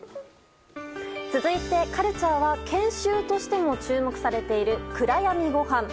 続いて、カルチャーは研修としても注目されている暗闇ごはん。